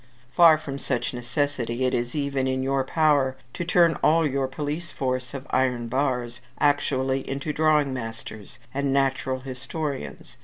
Far from such necessity, it is even in your power to turn all your police force of iron bars actually into drawing masters, and natural historians.